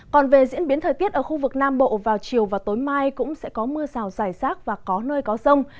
còn về diễn biến thời tiết ở khu vực nam bộ vào chiều và tối mai cũng sẽ có mưa rào rải rác và có nơi có rông